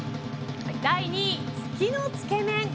第２位、月のつけ麺。